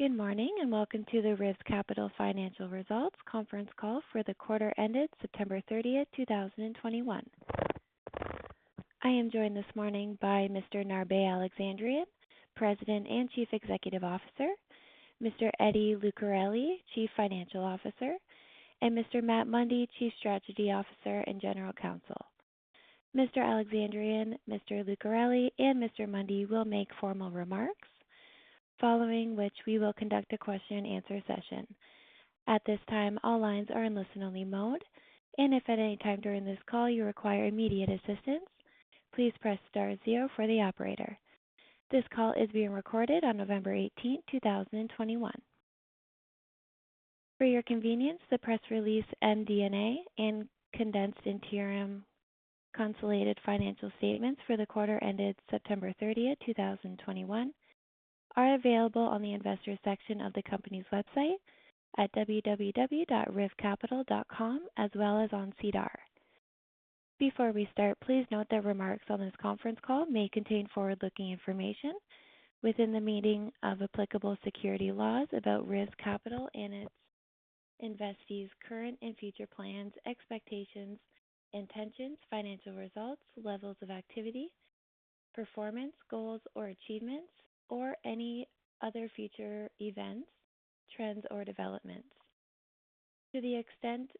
Good morning, and welcome to the RIV Capital Financial Results conference call for the quarter ended September 30, 2021. I am joined this morning by Mr. Narbéh Alexandrian, President and Chief Executive Officer, Mr. Eddie Lucarelli, Chief Financial Officer, and Mr. Matt Mundy, Chief Strategy Officer and General Counsel. Mr. Alexandrian, Mr. Lucarelli, and Mr. Mundy will make formal remarks, following which we will conduct a question and answer session. At this time, all lines are in listen-only mode, and if at any time during this call you require immediate assistance, please press star zero for the operator. This call is being recorded on November 18, 2021. For your convenience, the press release and MD&A in condensed interim consolidated financial statements for the quarter ended September 30, 2021, are available on the investors section of the company's website at rivcapital.com, as well as on SEDAR. Before we start, please note that remarks on this conference call may contain forward-looking information within the meaning of applicable securities laws about RIV Capital and its investees' current and future plans, expectations, intentions, financial results, levels of activity, performance, goals or achievements, or any other future events, trends, or developments. To the extent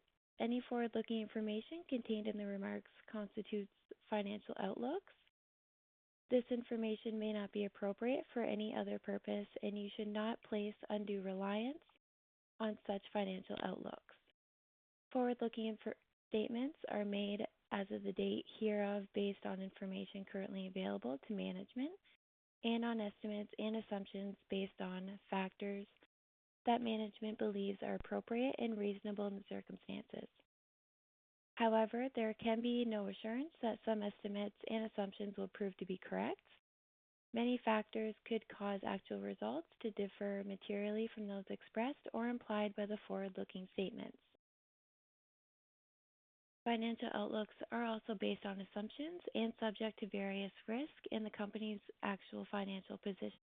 any forward-looking information contained in the remarks constitutes financial outlooks, this information may not be appropriate for any other purpose, and you should not place undue reliance on such financial outlooks. Forward-looking information statements are made as of the date hereof based on information currently available to management and on estimates and assumptions based on factors that management believes are appropriate and reasonable in the circumstances. However, there can be no assurance that some estimates and assumptions will prove to be correct. Many factors could cause actual results to differ materially from those expressed or implied by the forward-looking statements. Financial outlooks are also based on assumptions and subject to various risks, and the company's actual financial position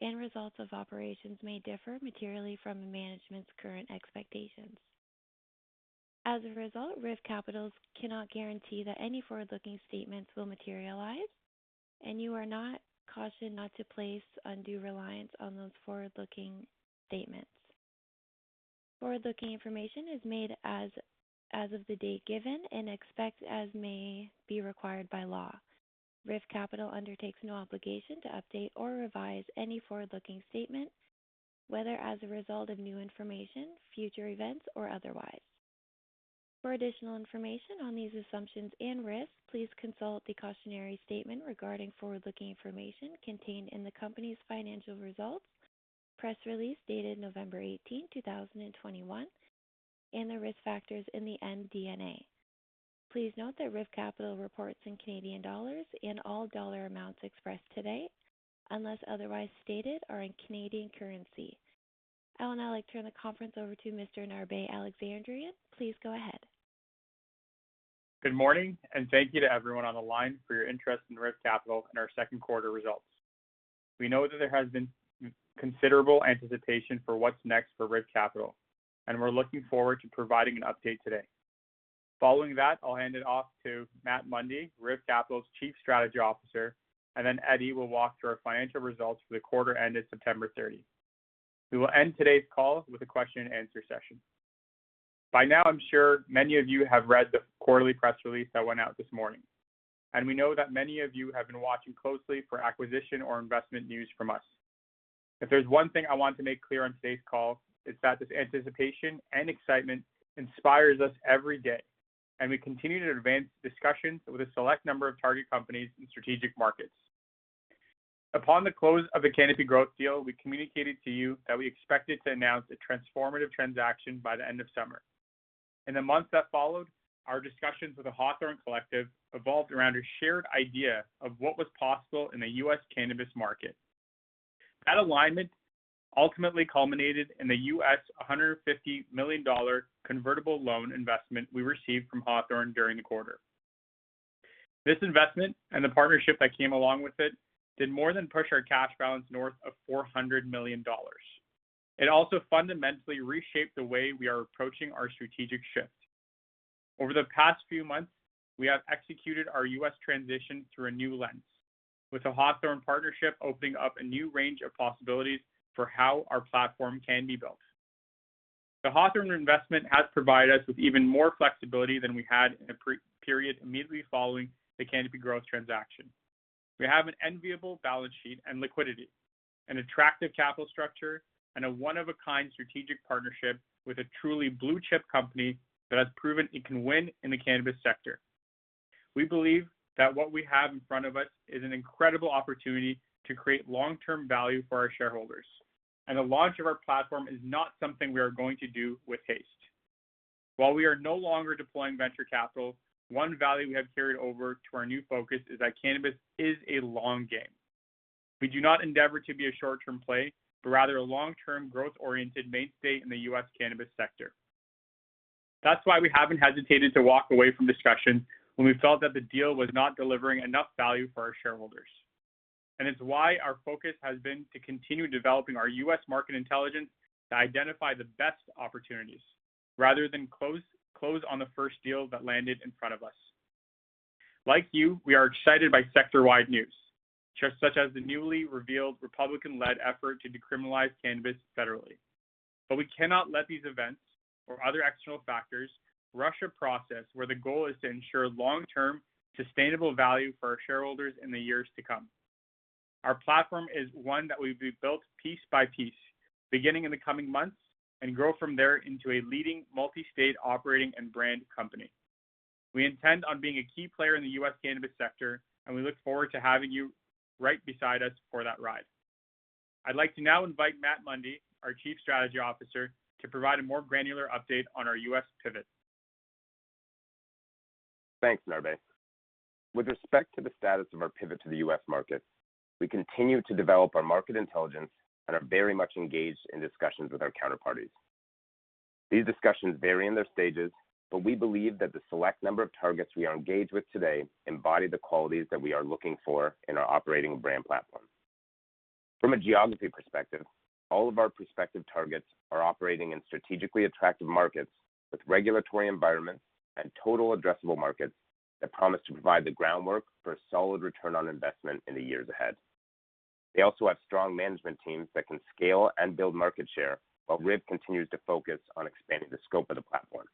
and results of operations may differ materially from management's current expectations. As a result, RIV Capital cannot guarantee that any forward-looking statements will materialize, and you are cautioned not to place undue reliance on those forward-looking statements. Forward-looking information is made as of the date given and except as may be required by law. RIV Capital undertakes no obligation to update or revise any forward-looking statement, whether as a result of new information, future events, or otherwise. For additional information on these assumptions and risks, please consult the cautionary statement regarding forward-looking information contained in the company's financial results press release dated November 18, 2021, and the risk factors in the MD&A. Please note that RIV Capital reports in Canadian dollars, and all dollar amounts expressed today, unless otherwise stated, are in Canadian currency. I would now like to turn the conference over to Mr. Narbeh Alexandrian. Please go ahead. Good morning, and thank you to everyone on the line for your interest in RIV Capital and our second quarter results. We know that there has been considerable anticipation for what's next for RIV Capital, and we're looking forward to providing an update today. Following that, I'll hand it off to Matt Mundy, RIV Capital's Chief Strategy Officer, and then Eddie will walk through our financial results for the quarter ended September 30. We will end today's call with a question and answer session. By now, I'm sure many of you have read the quarterly press release that went out this morning, and we know that many of you have been watching closely for acquisition or investment news from us. If there's one thing I want to make clear on today's call, it's that this anticipation and excitement inspires us every day, and we continue to advance discussions with a select number of target companies in strategic markets. Upon the close of the Canopy Growth deal, we communicated to you that we expected to announce a transformative transaction by the end of summer. In the months that followed, our discussions with the Hawthorne Collective revolved around a shared idea of what was possible in the U.S. cannabis market. That alignment ultimately culminated in the $150 million convertible loan investment we received from Hawthorne during the quarter. This investment, and the partnership that came along with it, did more than push our cash balance north of 400 million dollars. It also fundamentally reshaped the way we are approaching our strategic shift. Over the past few months, we have executed our U.S. transition through a new lens, with the Hawthorne partnership opening up a new range of possibilities for how our platform can be built. The Hawthorne investment has provided us with even more flexibility than we had in the pre-period immediately following the Canopy Growth transaction. We have an enviable balance sheet and liquidity, an attractive capital structure, and a one-of-a-kind strategic partnership with a truly blue-chip company that has proven it can win in the cannabis sector. We believe that what we have in front of us is an incredible opportunity to create long-term value for our shareholders, and the launch of our platform is not something we are going to do with haste. While we are no longer deploying venture capital, one value we have carried over to our new focus is that cannabis is a long game. We do not endeavor to be a short-term play, but rather a long-term, growth-oriented mainstay in the U.S. cannabis sector. That's why we haven't hesitated to walk away from discussion when we felt that the deal was not delivering enough value for our shareholders. It's why our focus has been to continue developing our U.S. market intelligence to identify the best opportunities rather than close on the first deal that landed in front of us. Like you, we are excited by sector-wide news, such as the newly revealed Republican-led effort to decriminalize cannabis federally. We cannot let these events or other external factors rush a process where the goal is to ensure long-term, sustainable value for our shareholders in the years to come. Our platform is one that will be built piece by piece, beginning in the coming months and grow from there into a leading multi-state operating and brand company. We intend on being a key player in the U.S. cannabis sector, and we look forward to having you right beside us for that ride. I'd like to now invite Matt Mundy, our Chief Strategy Officer, to provide a more granular update on our U.S. pivot. Thanks, Narbe. With respect to the status of our pivot to the U.S. market, we continue to develop our market intelligence and are very much engaged in discussions with our counterparties. These discussions vary in their stages, but we believe that the select number of targets we are engaged with today embody the qualities that we are looking for in our operating brand platform. From a geography perspective, all of our prospective targets are operating in strategically attractive markets with regulatory environments and total addressable markets that promise to provide the groundwork for a solid return on investment in the years ahead. They also have strong management teams that can scale and build market share while RIB continues to focus on expanding the scope of the platform.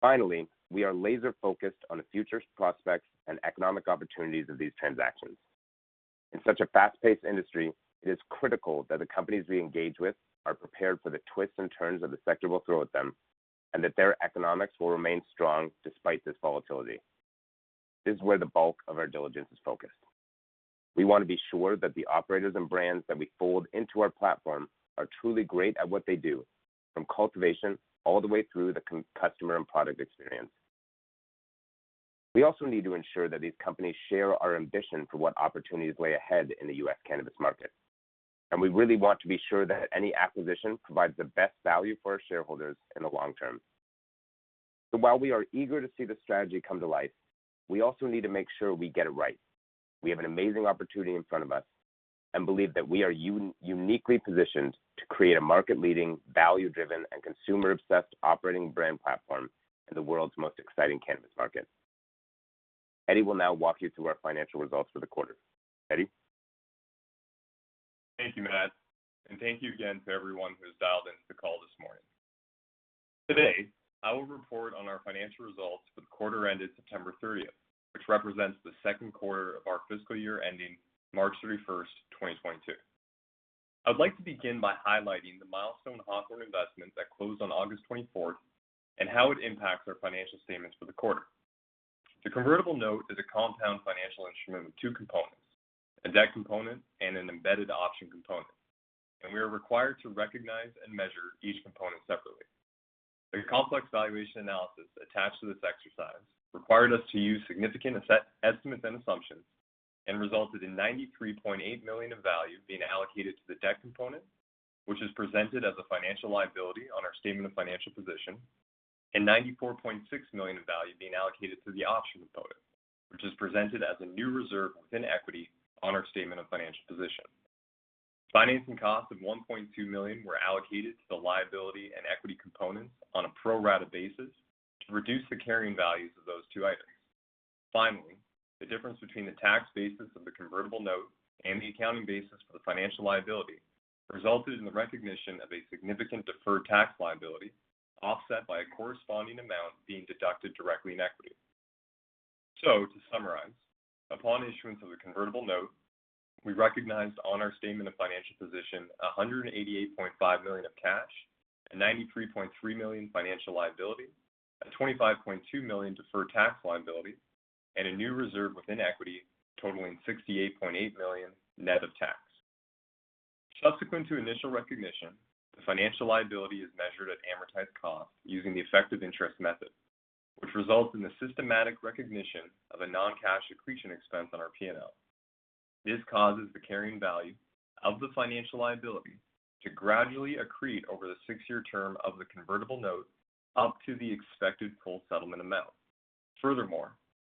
Finally, we are laser-focused on the future prospects and economic opportunities of these transactions. In such a fast-paced industry, it is critical that the companies we engage with are prepared for the twists and turns that the sector will throw at them and that their economics will remain strong despite this volatility. This is where the bulk of our diligence is focused. We want to be sure that the operators and brands that we fold into our platform are truly great at what they do, from cultivation all the way through the customer and product experience. We also need to ensure that these companies share our ambition for what opportunities lay ahead in the U.S. cannabis market. We really want to be sure that any acquisition provides the best value for our shareholders in the long term. While we are eager to see the strategy come to life, we also need to make sure we get it right. We have an amazing opportunity in front of us and believe that we are uniquely positioned to create a market-leading, value-driven, and consumer-obsessed operating brand platform in the world's most exciting cannabis market. Eddie will now walk you through our financial results for the quarter. Eddie. Thank you, Matt, and thank you again to everyone who's dialed into the call this morning. Today, I will report on our financial results for the quarter ended September 30, which represents the second quarter of our fiscal year ending March 31, 2022. I would like to begin by highlighting the milestone Hawthorne investment that closed on August 24 and how it impacts our financial statements for the quarter. The convertible note is a compound financial instrument with two components, a debt component and an embedded option component, and we are required to recognize and measure each component separately. The complex valuation analysis attached to this exercise required us to use significant asset estimates and assumptions and resulted in 93.8 million of value being allocated to the debt component, which is presented as a financial liability on our statement of financial position, and 94.6 million of value being allocated to the option component, which is presented as a new reserve within equity on our statement of financial position. Financing costs of 1.2 million were allocated to the liability and equity components on a pro-rata basis to reduce the carrying values of those two items. Finally, the difference between the tax basis of the convertible note and the accounting basis for the financial liability resulted in the recognition of a significant deferred tax liability offset by a corresponding amount being deducted directly in equity. To summarize, upon issuance of the convertible note, we recognized on our statement of financial position 188.5 million of cash, a 93.3 million financial liability, a 25.2 million deferred tax liability, and a new reserve within equity totaling 68.8 million net of tax. Subsequent to initial recognition, the financial liability is measured at amortized cost using the effective interest method, which results in the systematic recognition of a non-cash accretion expense on our P&L. This causes the carrying value of the financial liability to gradually accrete over the six-year term of the convertible note up to the expected full settlement amount. Furthermore,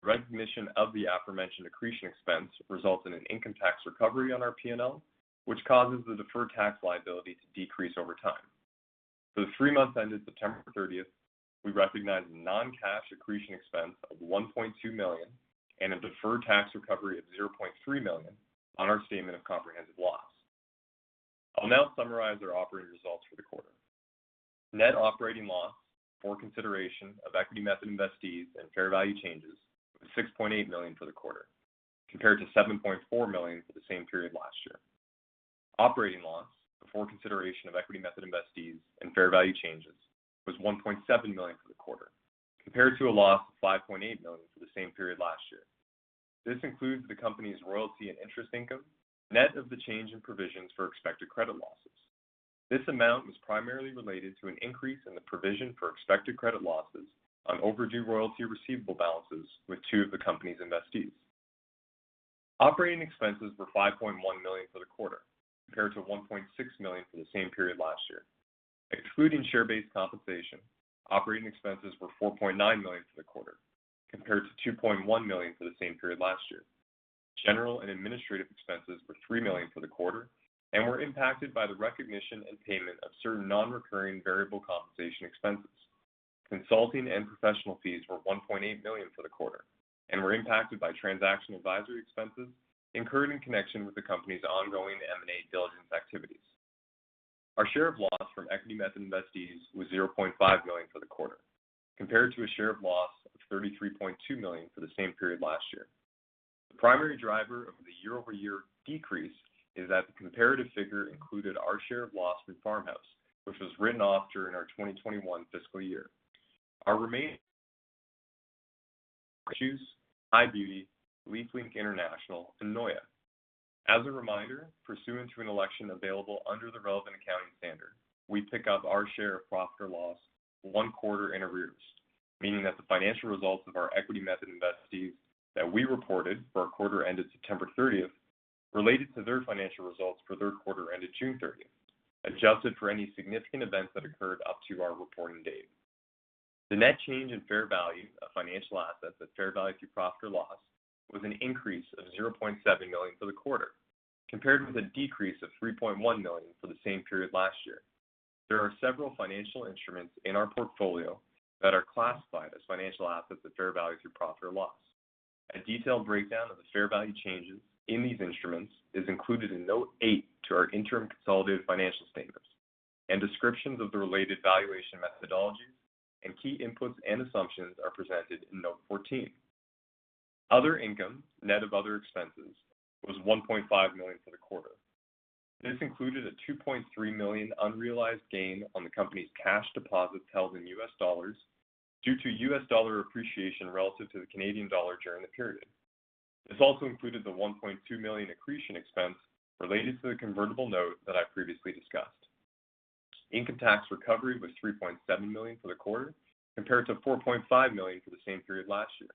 recognition of the aforementioned accretion expense results in an income tax recovery on our P&L, which causes the deferred tax liability to decrease over time. For the three months ended September 30, we recognized a non-cash accretion expense of 1.2 million and a deferred tax recovery of 0.3 million on our statement of comprehensive loss. I'll now summarize our operating results for the quarter. Net operating loss before consideration of equity method investees and fair value changes was 6.8 million for the quarter, compared to 7.4 million for the same period last year. Operating loss before consideration of equity method investees and fair value changes was 1.7 million for the quarter, compared to a loss of 5.8 million for the same period last year. This includes the company's royalty and interest income, net of the change in provisions for expected credit losses. This amount was primarily related to an increase in the provision for expected credit losses on overdue royalty receivable balances with two of the company's investees. Operating expenses were 5.1 million for the quarter compared to 1.6 million for the same period last year. Excluding share-based compensation, operating expenses were 4.9 million for the quarter compared to 2.1 million for the same period last year. General and administrative expenses were 3 million for the quarter and were impacted by the recognition and payment of certain non-recurring variable compensation expenses. Consulting and professional fees were 1.8 million for the quarter and were impacted by transaction advisory expenses incurred in connection with the company's ongoing M&A diligence activities. Our share of loss from equity method investees was 0.5 million for the quarter compared to a share of loss of 33.2 million for the same period last year. The primary driver of the year-over-year decrease is that the comparative figure included our share of loss from PharmHouse, which was written off during our 2021 fiscal year. Our remaining Shoes, EyeBeauty, LeafLink International, and Noya. As a reminder, pursuant to an election available under the relevant accounting standard, we pick up our share of profit or loss one quarter in arrears, meaning that the financial results of our equity method investees that we reported for our quarter ended September 30 related to their financial results for their quarter ended June 30, adjusted for any significant events that occurred up to our reporting date. The net change in fair value of financial assets at fair value through profit or loss was an increase of 0.7 million for the quarter compared with a decrease of 3.1 million for the same period last year. There are several financial instruments in our portfolio that are classified as financial assets at fair value through profit or loss. A detailed breakdown of the fair value changes in these instruments is included in Note 8 to our interim consolidated financial statements, and descriptions of the related valuation methodologies and key inputs and assumptions are presented in Note 14. Other income, net of other expenses, was 1.5 million for the quarter. This included a 2.3 million unrealized gain on the company's cash deposits held in U.S. dollars due to U.S. dollar appreciation relative to the Canadian dollar during the period. This also included the 1.2 million accretion expense related to the convertible note that I previously discussed. Income tax recovery was 3.7 million for the quarter compared to 4.5 million for the same period last year.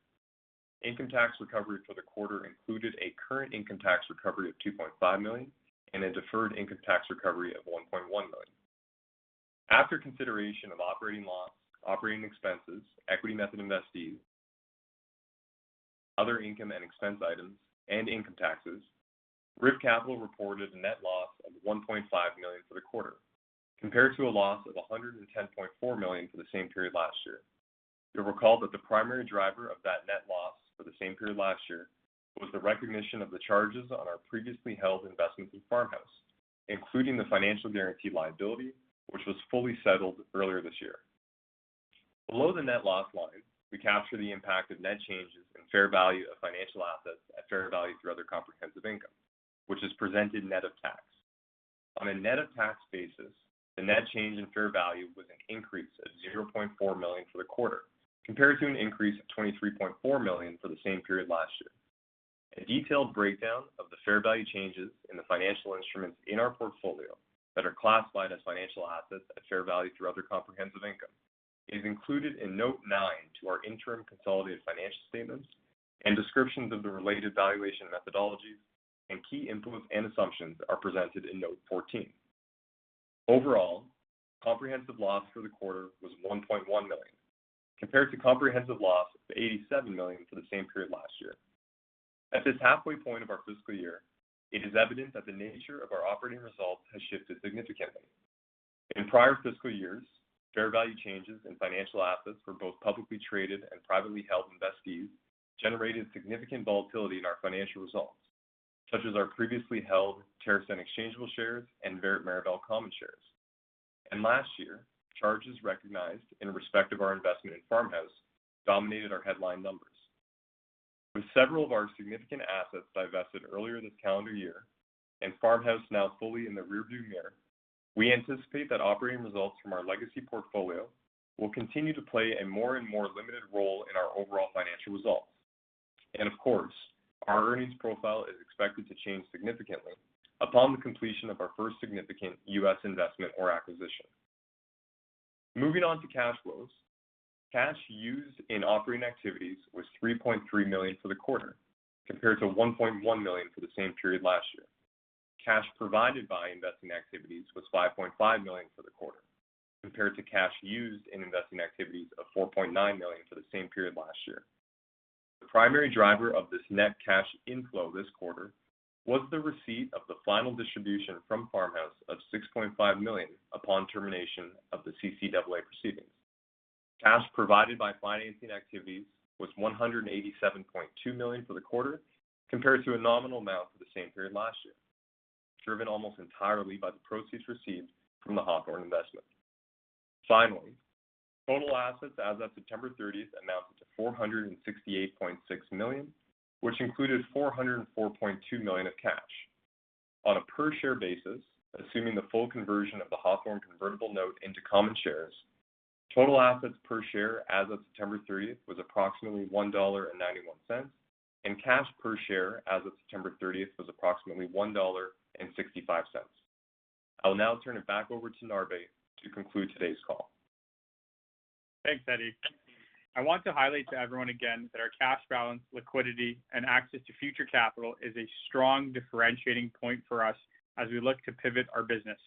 Income tax recovery for the quarter included a current income tax recovery of 2.5 million and a deferred income tax recovery of 1.1 million. After consideration of operating loss, operating expenses, equity method investees, other income and expense items, and income taxes, RIV Capital reported a net loss of 1.5 million for the quarter compared to a loss of 110.4 million for the same period last year. You'll recall that the primary driver of that net loss for the same period last year was the recognition of the charges on our previously held investment through Farmhouse, including the financial guarantee liability, which was fully settled earlier this year. Below the net loss line, we capture the impact of net changes in fair value of financial assets at fair value through other comprehensive income, which is presented net of tax. On a net of tax basis, the net change in fair value was an increase of 0.4 million for the quarter compared to an increase of 23.4 million for the same period last year. A detailed breakdown of the fair value changes in the financial instruments in our portfolio that are classified as financial assets at fair value through other comprehensive income is included in Note 9 to our interim consolidated financial statements, and descriptions of the related valuation methodologies and key inputs and assumptions are presented in Note 14. Overall, comprehensive loss for the quarter was 1.1 million compared to comprehensive loss of 87 million for the same period last year. At this halfway point of our fiscal year, it is evident that the nature of our operating results has shifted significantly. In prior fiscal years, fair value changes in financial assets for both publicly traded and privately held investees generated significant volatility in our financial results, such as our previously held TerrAscend exchangeable shares and Vert Mirabel common shares. Last year, charges recognized in respect of our investment in Farmhouse dominated our headline numbers. With several of our significant assets divested earlier this calendar year and Farmhouse now fully in the rearview mirror, we anticipate that operating results from our legacy portfolio will continue to play a more and more limited role in our overall financial results. Of course, our earnings profile is expected to change significantly upon the completion of our first significant U.S. investment or acquisition. Moving on to cash flows, cash used in operating activities was 3.3 million for the quarter compared to 1.1 million for the same period last year. Cash provided by investing activities was 5.5 million for the quarter compared to cash used in investing activities of 4.9 million for the same period last year. The primary driver of this net cash inflow this quarter was the receipt of the final distribution from Farmhouse of 6.5 million upon termination of the CCAA proceedings. Cash provided by financing activities was 187.2 million for the quarter compared to a nominal amount for the same period last year, driven almost entirely by the proceeds received from the Hawthorne investment. Finally, total assets as of September 30 amounted to 468.6 million, which included 404.2 million of cash. On a per share basis, assuming the full conversion of the Hawthorne convertible note into common shares, total assets per share as of September 30 was approximately 1.91 dollar, and cash per share as of September 30 was approximately 1.65 dollar. I'll now turn it back over to Narbé to conclude today's call. Thanks, Eddie. I want to highlight to everyone again that our cash balance, liquidity, and access to future capital is a strong differentiating point for us as we look to pivot our business.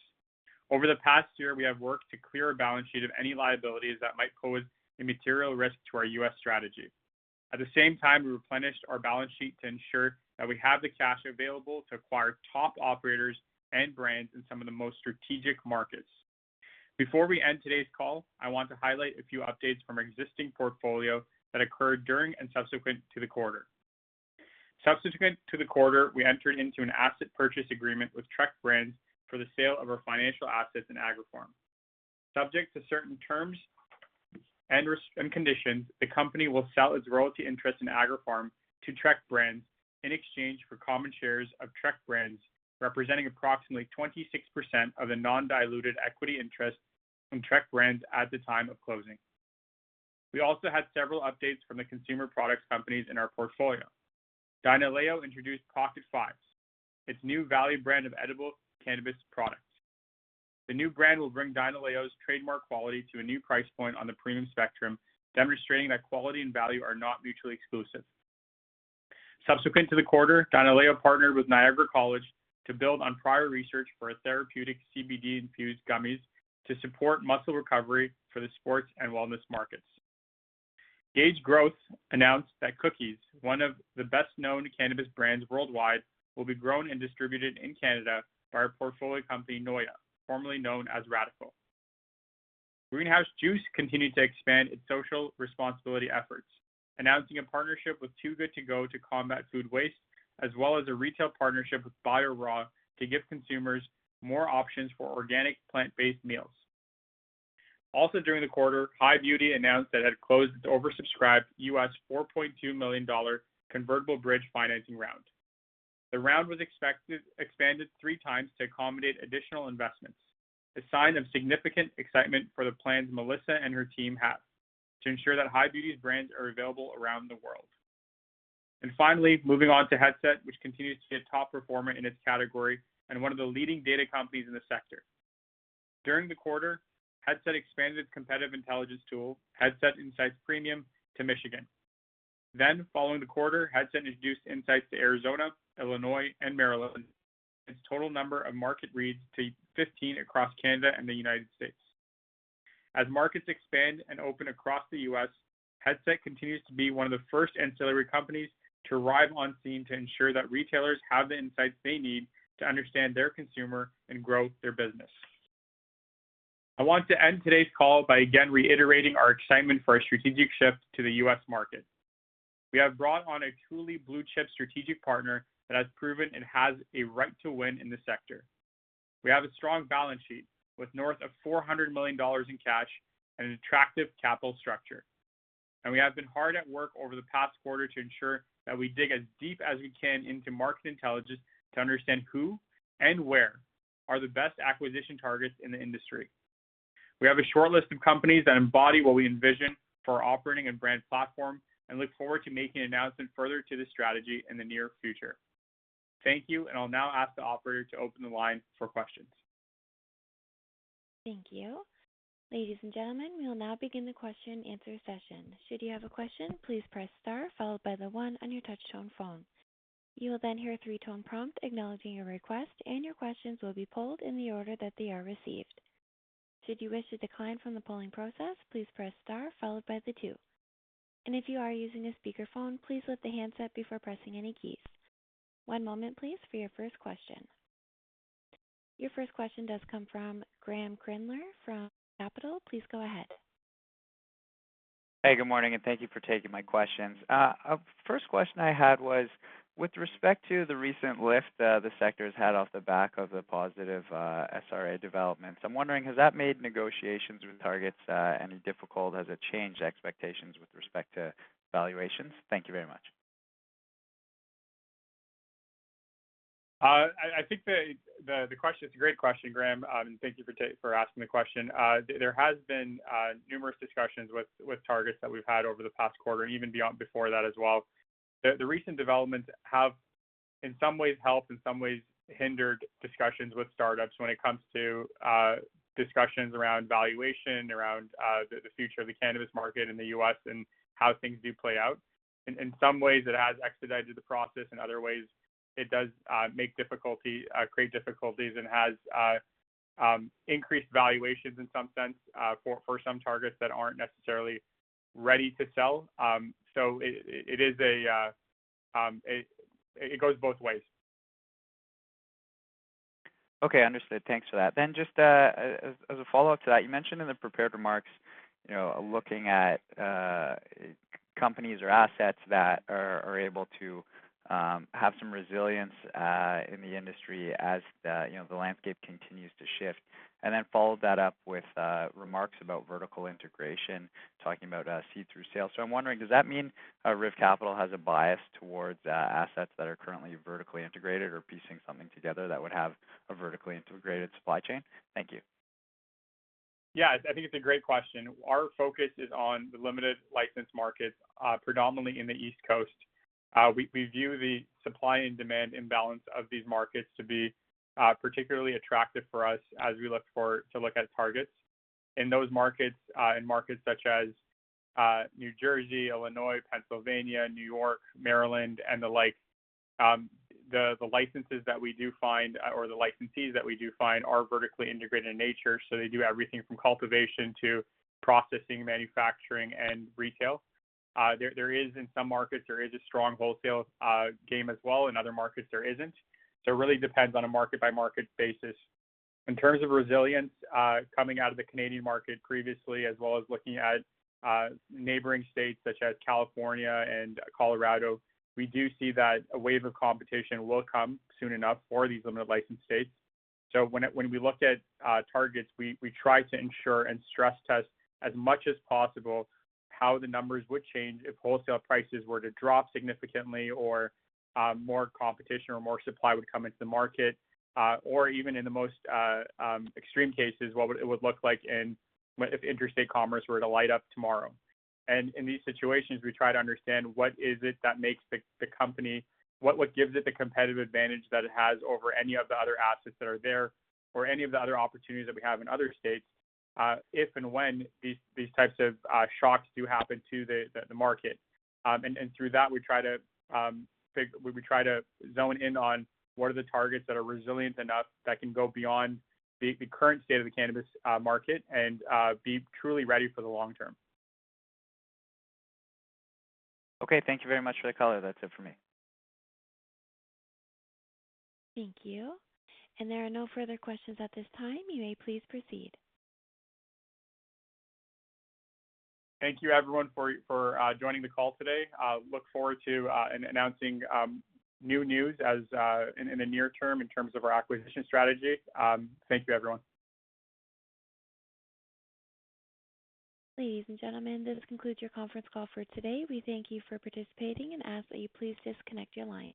Over the past year, we have worked to clear our balance sheet of any liabilities that might pose a material risk to our U.S. strategy. At the same time, we replenished our balance sheet to ensure that we have the cash available to acquire top operators and brands in some of the most strategic markets. Before we end today's call, I want to highlight a few updates from our existing portfolio that occurred during and subsequent to the quarter. Subsequent to the quarter, we entered into an asset purchase agreement with TREC Brands for the sale of our financial assets in Agripharm. Subject to certain terms and conditions, the company will sell its royalty interest in Agripharm to TREC Brands in exchange for common shares of TREC Brands, representing approximately 26% of the non-diluted equity interest from TREC Brands at the time of closing. We also had several updates from the consumer products companies in our portfolio. Dynaleo introduced Pocket Fives, its new value brand of edible cannabis products. The new brand will bring Dynaleo's trademark quality to a new price point on the premium spectrum, demonstrating that quality and value are not mutually exclusive. Subsequent to the quarter, Dynaleo partnered with Niagara College to build on prior research for its therapeutic CBD-infused gummies to support muscle recovery for the sports and wellness markets. Gage Growth announced that Cookies, one of the best-known cannabis brands worldwide, will be grown and distributed in Canada by our portfolio company, Noya, formerly known as Radicle. Greenhouse Juice continued to expand its social responsibility efforts, announcing a partnership with Too Good To Go to combat food waste, as well as a retail partnership with BioRaw to give consumers more options for organic plant-based meals. Also during the quarter, High Beauty announced that it had closed its oversubscribed U.S. $4.2 million convertible bridge financing round. The round was expanded three times to accommodate additional investments, a sign of significant excitement for the plans Melissa and her team have to ensure that High Beauty's brands are available around the world. Finally, moving on to Headset, which continues to be a top performer in its category and one of the leading data companies in the sector. During the quarter, Headset expanded its competitive intelligence tool, Headset Insights Premium, to Michigan. Following the quarter, Headset introduced Insights to Arizona, Illinois, and Maryland, bringing its total number of market reads to 15 across Canada and the United States. As markets expand and open across the U.S., Headset continues to be one of the first ancillary companies to arrive on scene to ensure that retailers have the insights they need to understand their consumer and grow their business. I want to end today's call by again reiterating our excitement for our strategic shift to the U.S. market. We have brought on a truly blue-chip strategic partner that has proven it has a right to win in this sector. We have a strong balance sheet with north of 400 million dollars in cash and an attractive capital structure. We have been hard at work over the past quarter to ensure that we dig as deep as we can into market intelligence to understand who and where are the best acquisition targets in the industry. We have a shortlist of companies that embody what we envision for our operating and brand platform and look forward to making an announcement further to this strategy in the near future. Thank you, and I'll now ask the operator to open the line for questions. Thank you. Ladies and gentlemen, we will now begin the question-and-answer session. Should you have a question, please press star followed by the one on your touchtone phone. You will then hear a three-tone prompt acknowledging your request, and your questions will be polled in the order that they are received. Should you wish to decline from the polling process, please press star followed by the two. If you are using a speakerphone, please lift the handset before pressing any keys. One moment, please, for your first question. Your first question does come from Graeme Kreklo from Eight Capital. Please go ahead. Hey, good morning, and thank you for taking my questions. First question I had was, with respect to the recent lift, the sector's had off the back of the positive SAFE developments, I'm wondering, has that made negotiations with targets any difficult? Has it changed expectations with respect to valuations? Thank you very much. It's a great question, Graham. Thank you for asking the question. There has been numerous discussions with targets that we've had over the past quarter and even beyond before that as well. The recent developments have in some ways helped, in some ways hindered discussions with startups when it comes to discussions around valuation, around the future of the cannabis market in the U.S. and how things do play out. In some ways, it has expedited the process. In other ways, it does create difficulties and has increased valuations in some sense, for some targets that aren't necessarily ready to sell. It goes both ways. Okay. Understood. Thanks for that. Just as a follow-up to that, you mentioned in the prepared remarks, you know, looking at companies or assets that are able to have some resilience in the industry as you know, the landscape continues to shift, and then followed that up with remarks about vertical integration, talking about seed through sale. I'm wondering, does that mean RIV Capital has a bias towards assets that are currently vertically integrated or piecing something together that would have a vertically integrated supply chain? Thank you. Yeah. I think it's a great question. Our focus is on the limited license markets, predominantly in the East Coast. We view the supply and demand imbalance of these markets to be particularly attractive for us as we look at targets. In those markets, in markets such as New Jersey, Illinois, Pennsylvania, New York, Maryland, and the like, the licenses that we do find or the licensees that we do find are vertically integrated in nature, so they do everything from cultivation to processing, manufacturing, and retail. There is in some markets a strong wholesale game as well. In other markets, there isn't. It really depends on a market-by-market basis. In terms of resilience, coming out of the Canadian market previously, as well as looking at neighboring states such as California and Colorado, we do see that a wave of competition will come soon enough for these limited license states. When we look at targets, we try to ensure and stress test as much as possible how the numbers would change if wholesale prices were to drop significantly, or more competition or more supply would come into the market, or even in the most extreme cases, what it would look like if interstate commerce were to light up tomorrow. In these situations, we try to understand what is it that makes the company. What gives it the competitive advantage that it has over any of the other assets that are there or any of the other opportunities that we have in other states, if and when these types of shocks do happen to the market. Through that, we try to zone in on what are the targets that are resilient enough that can go beyond the current state of the cannabis market and be truly ready for the long term. Okay. Thank you very much for the color. That's it for me. Thank you. There are no further questions at this time. You may please proceed. Thank you, everyone, for joining the call today. Look forward to announcing new news in the near term in terms of our acquisition strategy. Thank you, everyone. Ladies and gentlemen, this concludes your conference call for today. We thank you for participating and ask that you please disconnect your line.